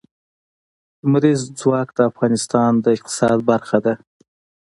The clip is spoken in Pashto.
لمریز ځواک د افغانستان د اقتصاد برخه ده.